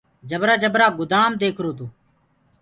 جبرآ جبرآ گُدآم ديکرو تو۔